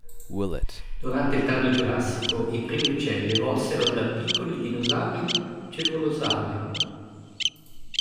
Durante il Tardo Giurassico, i primi uccelli evolsero da piccoli dinosauri celurosauri.